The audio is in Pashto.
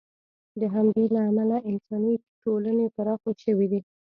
د همدې له امله انساني ټولنې پراخې شوې دي.